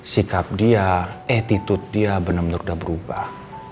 sikap dia etitud dia benar benar udah berubah